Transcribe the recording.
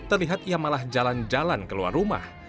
terlihat ia malah jalan jalan keluar rumah